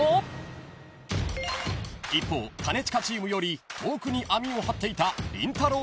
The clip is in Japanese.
［一方兼近チームより奥に網を張っていたりんたろー。